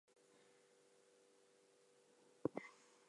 This is the slip angle.